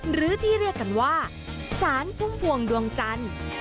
หรือที่เรียกกันว่าสารพุ่มพวงดวงจันทร์